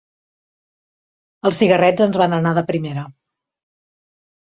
Els cigarrets ens van anar de primera.